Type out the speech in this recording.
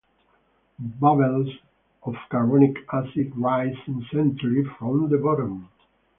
Bubbles of carbonic acid rise incessantly from the bottom.